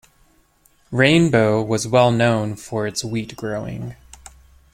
Rainbow was well known for its wheat growing.